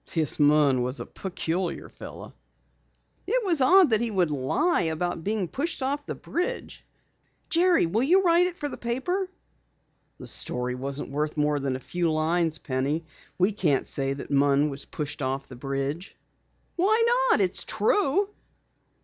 This Munn was a peculiar fellow." "It was odd that he would lie about being pushed off the bridge. Jerry, will you write it for the paper?" "The story isn't worth more than a few lines, Penny. We can't say that Munn was pushed off the bridge." "Why not? It's true."